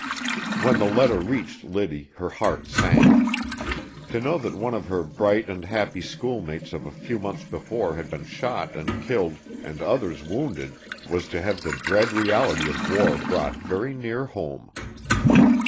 When the letter reached Liddy her heart sank. To know that one of her bright and happy schoolmates of a few months before had been shot and killed, and others wounded, was to have the dread reality of war brought very near home.